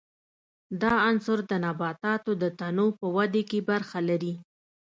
دا عنصر د نباتاتو د تنو په ودې کې برخه لري.